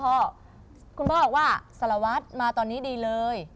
คุณพ่อบอกว่าสารวัตรมาตอนนี้ดีเลย